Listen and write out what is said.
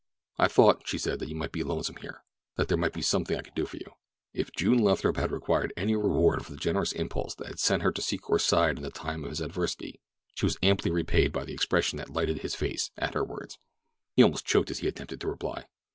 "I thought," she said, "that you might be lonesome here—that there might be something I could do for you." If June Lathrop had required any reward for the generous impulse that had sent her to Secor's side in the time of his adversity she was amply repaid by the expression that lighted his face at her words. He almost choked as he attempted to reply.